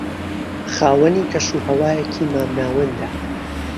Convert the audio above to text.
خاوەنی کەش و ھەوایەکی مام ناوەندە